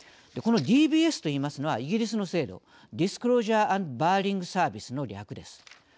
このＤＢＳといいますのはイギリスの制度ディスクロージャー・アンド・バーリング・サービスの略です。